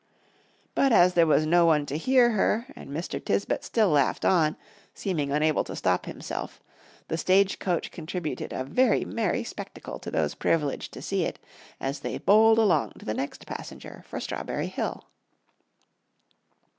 But as there was no one to hear her, and Mr. Tisbett still laughed on, seeming unable to stop himself, the stage coach contributed a very merry spectacle to those privileged to see it, as they bowled along to the next passenger for Strawberry Hill.